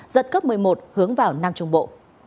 giật cấp một mươi một hướng vào nam trung bộ